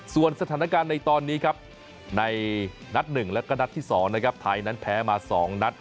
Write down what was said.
ส่วนสถานการณ์ในตอนนี้ครับในนัด๑แล้วก็นัดที่๒นะครับไทยนั้นแพ้มา๒นัด